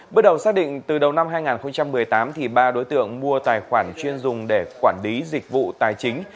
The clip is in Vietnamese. bước đầu xác định từ đầu năm hai nghìn một mươi tám ba đối tượng mua tài khoản chuyên dùng để quản lý dịch vụ tài chính